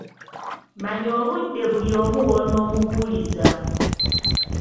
Manya obudde buli omu w’onoomubuuliza